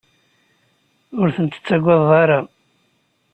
Ur ten-tettagadeḍ ara.